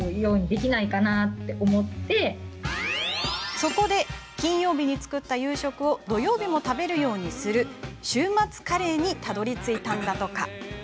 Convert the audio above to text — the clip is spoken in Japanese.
そこで、金曜日に作った夕食を土曜日も食べるようにする週末カレーにたどりついたんだそう。